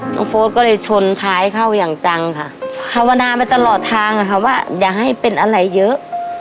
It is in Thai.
โฟสก็เลยชนท้ายเข้าอย่างจังค่ะภาวนาไปตลอดทางอะค่ะว่าอย่าให้เป็นอะไรเยอะ